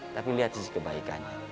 tapi lihat sisi kebaikannya